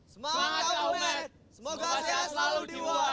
semangat komed semoga sehat selalu di wuhan